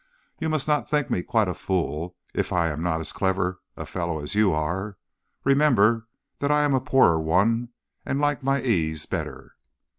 You must not think me quite a fool if I am not as clever a fellow as you are. Remember that I am a poorer one and like my ease better.'